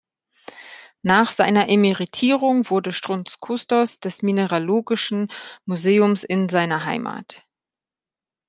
Nach seiner Emeritierung wurde Strunz Kustos des Mineralogischen Museums in seiner Heimat.